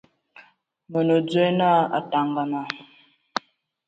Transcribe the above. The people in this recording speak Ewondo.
Mə nə dzwe na Ataŋga.